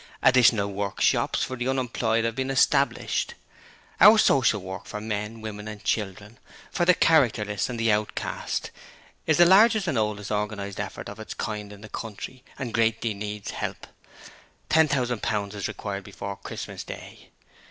Additional workshops for the unemployed have been established. Our Social Work for men, women and children, for the characterless and the outcast, is the largest and oldest organized effort of its kind in the country, and greatly needs help. £10,000 is required before Christmas Day.